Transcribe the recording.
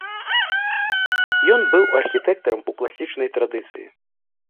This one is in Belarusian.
Ён быў архітэктарам ў класічнай традыцыі.